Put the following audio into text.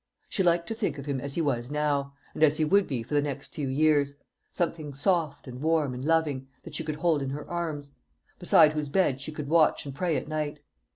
She liked to think of him as he was now, and as he would be for the next few years something soft and warm and loving, that she could hold in her arms; beside whose bed she could watch and pray at night.